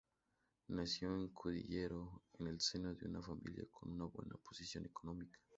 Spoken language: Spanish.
Nació en Cudillero, en el seno de una familia con buena posición económica.